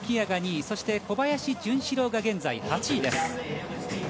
椰が２位小林潤志郎が現在８位です。